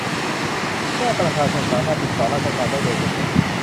เพื่อให้ประชาชนสามารถติดต่อราชการได้โดยสะดวก